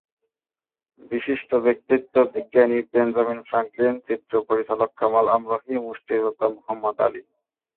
বিশিষ্ট ব্যক্তিত্ব—বিজ্ঞানী Benjamin Franklin, চিত্র পরিচালক কামাল আমরোহী, মুষ্টিযোদ্ধা মোহাম্মদ আলী।